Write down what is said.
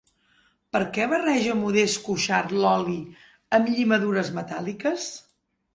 Per què barreja Modest Cuixart l'oli amb llimadures metàl·liques?